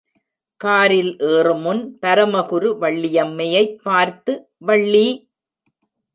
காரில் ஏறுமுன் பரமகுரு வள்ளியம்மையைப் பார்த்து, வள்ளி!